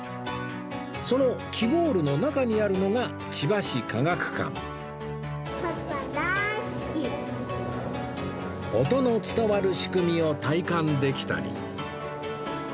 そのきぼーるの中にあるのが音の伝わる仕組みを体感できたり